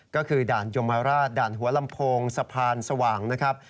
ก็คือด่านยมราชด่านหัวลำโพงสะพานสว่างนะครับ